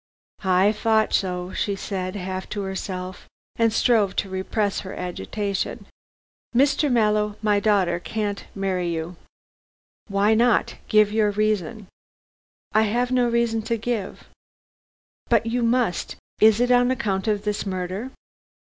"I thought so," she said, half to herself, and strove to repress her agitation. "Mr. Mallow, my daughter can't marry you." "Why not? Give your reason." "I have no reason to give." "But you must. Is it on account of this murder?"